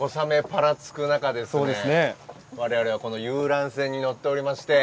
ぱらつく中で我々、遊覧船に乗っておりまして。